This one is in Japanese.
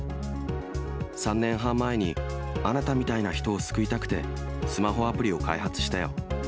３年半前に、あなたみたいな人を救いたくて、スマホアプリを開発したよ。